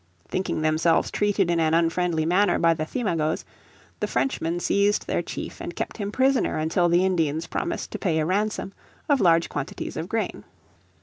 Thinking themselves treated in an unfriendly manner by the Thimagoes the Frenchmen seized their chief, and kept him prisoner until the Indians promised to pay a ransom of large quantities of grain.